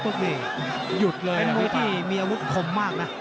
เป็นมุมที่มีอาวุธคมมากนะ